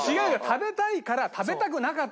食べたいから。